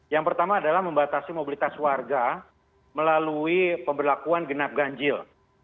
yang pertama adalah membatasi mobilitas warga melalui pemberlakuan genap ganjil